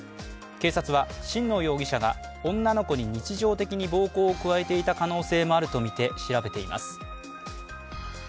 警察は、新納容疑者が女の子に日常的に暴行を加えていた可能性もあるとみて調べています。